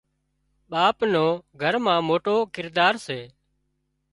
ٻاپ نو گھر مان موٽو ڪردار سي